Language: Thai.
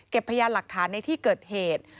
พยานหลักฐานในที่เกิดเหตุ